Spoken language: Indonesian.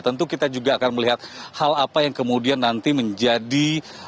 tentu kita juga akan melihat hal apa yang kemudian nanti menjadi